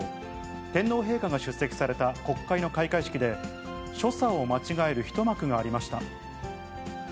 天皇陛下が出席された国会の開会式で、所作を間違える一幕がありました。